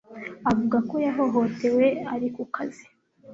Avuga ko yahohotewe ari ku kazi